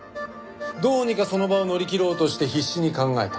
どうにかその場を乗り切ろうとして必死に考えた。